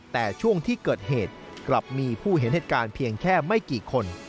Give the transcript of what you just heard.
แต่ช่วงที่เกิดเหตุกลับมีผู้เห็นเหตุการณ์เพียงแค่ไม่กี่คน